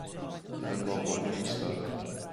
من باغبانی دوست دارم.